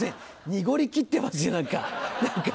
濁りきってますよ何か。